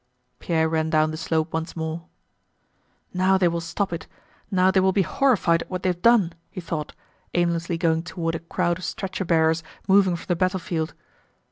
Pierre ran down the slope once more. "Now they will stop it, now they will be horrified at what they have done!" he thought, aimlessly going toward a crowd of stretcher bearers moving from the battlefield.